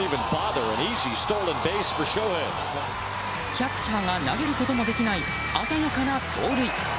キャッチャーが投げることもできない鮮やかな盗塁。